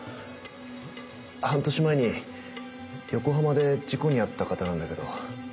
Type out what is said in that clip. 半年前に横浜で事故に遭った方なんだけど。